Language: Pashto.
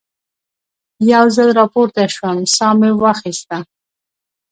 یو ځل را پورته شوم، ساه مې واخیسته.